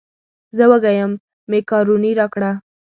زه وږی یم مېکاروني راکړه.